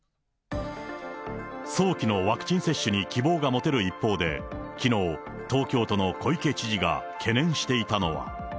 早期のワクチン接種に希望が持てる一方で、きのう、東京都の小池知事が懸念していたのは。